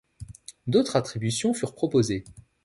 D’autres attributions furent proposées.